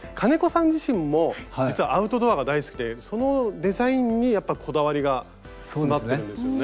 さん自身も実はアウトドアが大好きでそのデザインにやっぱこだわりが詰まってるんですよね。